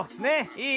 いい？